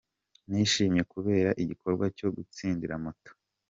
Nishimye kubera igikorwa cyo gutsindira moto.